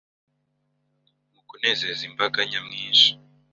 mu kunezeza imbaga nyamwinshi